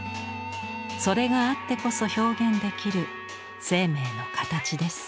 それがあってこそ表現できる生命の形です。